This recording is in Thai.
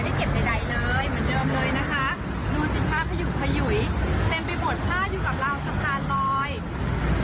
ดูสิภาพผยุผยุยเต็มไปหมดผ้าอยู่กับราวสะพานลอย